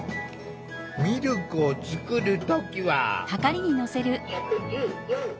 ミルクを作る時は。